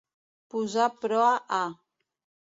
Posar proa a.